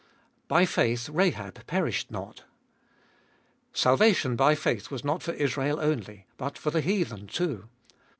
By faith Rahab perished not. Salvation by faith was not for Israel only but for the heathen too.